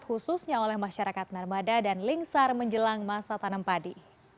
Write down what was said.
khususnya oleh masyarakat narmada dan lingsar menjelang masa tanam padi